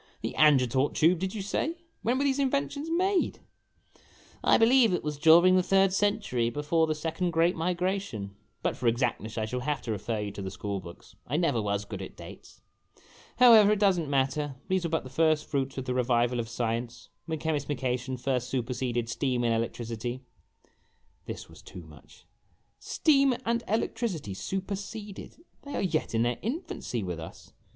The Angertort Tube, did you say? When were these inventions made ?" A LOST OPPORTUNITY Si " I believe it was during the third century, before the second great Migration, but for exactness I shall have to refer you to the school books. I never was good at dates. However, it does n't matter; these were but the first fruits of the revival of science when chemismication first superseded steam and electricity." "HE PRETENDED TO YAWN.' This was too much. "Steam and electricity superseded? They are yet in their infancy with us